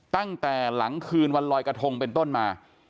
ตั้งแต่หลังคืนวันลอยกระทงเป็นต้นมา